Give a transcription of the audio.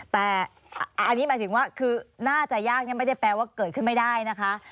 แต่อันนี้หมายถึงว่าคือน่าจะยากไม่ได้แปลว่าเกิดขึ้นไม่ได้นะคะ